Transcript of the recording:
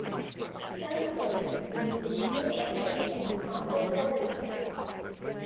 A side project, Blues With A Heavy Accent can be found on their website.